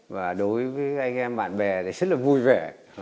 và đối với anh em bạn bè thì rất là vui vẻ